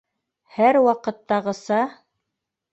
Һәр ваҡыттағыса: